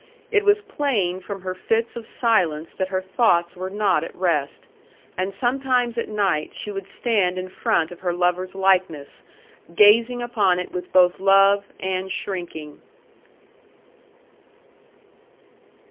It was plain from her fits of silence that her thoughts were not at rest. And sometimes at night she would stand in front of her lover's likeness, gazing upon it with both love and shrinking.